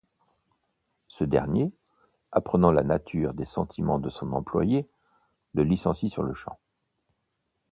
Ce dernier, apprenant la nature des sentiments de son employé, le licencie sur-le-champ.